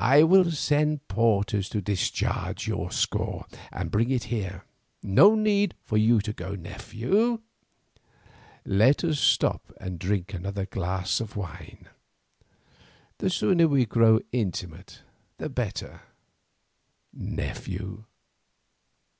I will send porters to discharge your score and bring it here. No need for you to go, nephew, let us stop and drink another glass of wine; the sooner we grow intimate the better, nephew."